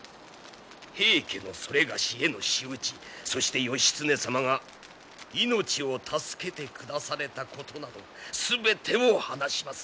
平家のそれがしへの仕打ちそして義経様が命を助けてくだされたことなど全てを話します。